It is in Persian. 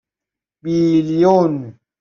بیلیون